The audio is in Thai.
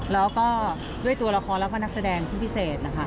แล้วก็ด้วยตัวละครแล้วก็นักแสดงที่พิเศษนะคะ